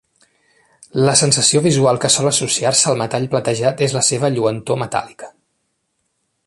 La sensació visual que sol associar-se al metall platejat és la seva lluentor metàl·lica.